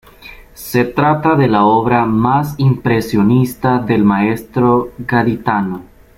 Se trata de la obra más impresionista del maestro gaditano.